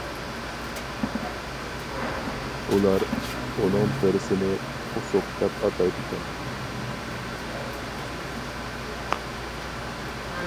ئۇلار ئۇنىڭ بىرسىنى «قۇسۇق» دەپ ئاتايدىكەن.